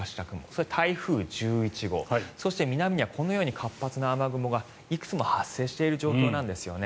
そして、台風１１号そして南にはこのように活発な雨雲がいくつも発生している状況なんですよね。